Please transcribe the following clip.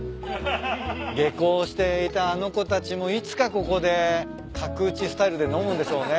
下校していたあの子たちもいつかここで角打ちスタイルで飲むんでしょうね。